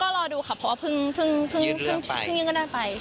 ก็รอดูค่ะเพราะว่าเพิ่งยืนเรื่องก็ได้ไป